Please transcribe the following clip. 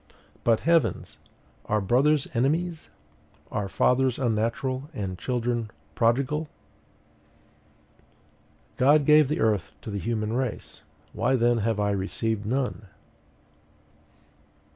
But, heavens! are brothers enemies? Are fathers unnatural, and children prodigal? GOD GAVE THE EARTH TO THE HUMAN RACE: why then have I received none?